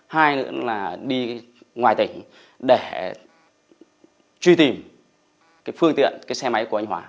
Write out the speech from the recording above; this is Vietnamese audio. hai nữa là đi ngoài tỉnh để truy tìm cái phương tiện cái xe máy của anh hòa